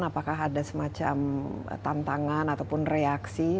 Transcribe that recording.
apakah ada semacam tantangan ataupun reaksi